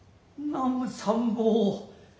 南無三宝。